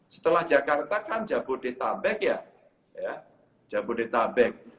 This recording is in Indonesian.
setelah jakarta kan jabodetabek ya jabodetabek